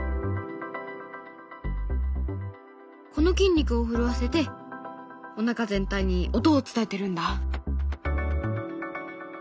この筋肉を震わせておなか全体に音を伝えてるんだ。